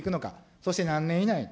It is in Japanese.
そして何年以内に。